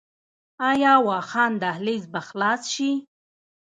آیا واخان دهلیز به خلاص شي؟